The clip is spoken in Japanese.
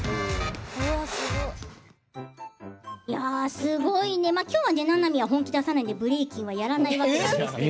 すごいね、今日はななみは本気出さないのでブレイキンはやらないわけなんですけど。